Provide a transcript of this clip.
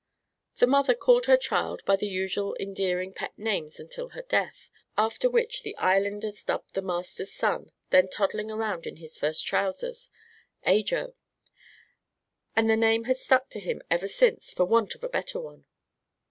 The mother called her child by the usual endearing pet names until her death, after which the islanders dubbed the master's son then toddling around in his first trousers "Ajo," and the name had stuck to him ever since for want of a better one.